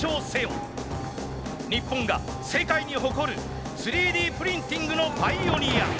日本が世界に誇る３Ｄプリンティングのパイオニア。